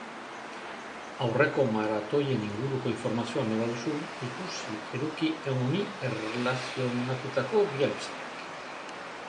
Aurreko maratoien inguruko informazioa nahi baduzu, ikusi eduki honi erlazionatutako bi albisteak.